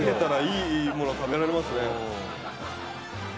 いい物食べられますね。